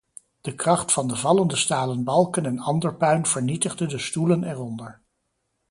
De kracht van de vallende stalen balken en ander puin vernietigde de stoelen eronder.